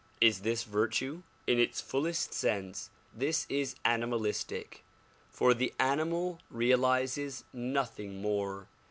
Is this virtue ? In its fullest sense this is animalistic, for the animal realizes nothing more.